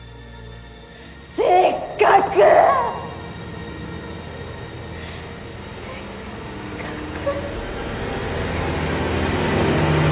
せっかくせっかく。